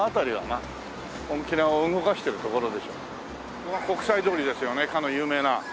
ここが国際通りですよねかの有名な。